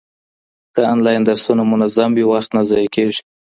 که انلاین درسونه منظم وي، وخت نه ضایع کېږي.